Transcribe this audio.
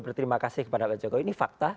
berterima kasih kepada pak jokowi ini fakta